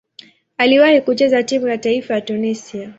Aliwahi kucheza timu ya taifa ya Tunisia.